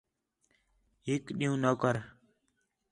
ہِک ݙِین٘ہوں نوکر